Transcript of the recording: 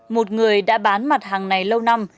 một người đã bán mặt hàng này lâu năm